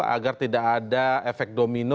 agar tidak ada efek domino